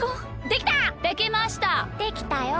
できたよ！